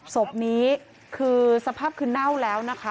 ศพนี้คือสภาพคือเน่าแล้วนะคะ